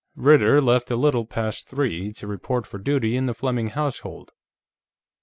Ritter left at a little past three, to report for duty in the Fleming household.